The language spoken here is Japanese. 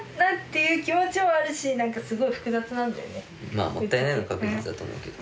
まあもったいないのは確実だと思うけど。